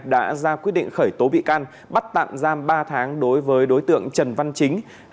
đã ra quyết định khởi tố bị can bắt tạm giam ba tháng đối với đối tượng trần văn chính